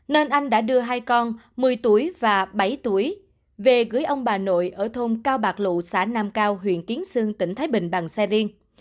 nên anh đã đưa hai con một mươi tuổi và bảy tuổi về gửi ông bà nội ở thôn cao bạc lụ xã nam cao huyện kiến sương tỉnh thái bình bằng xe riêng